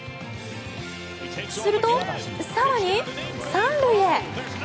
すると、更に３塁へ。